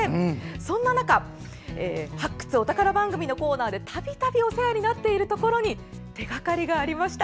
そんな中「発掘！お宝番組」のコーナーで度々お世話になっているところに手掛かりがありました。